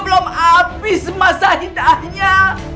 belom habis masa indahnya